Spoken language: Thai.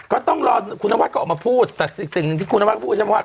ก็ต้องรอคุณนวัดก็ออกมาพูดแต่สิ่งหนึ่งที่คุณนวัดพูดใช่ไหมว่า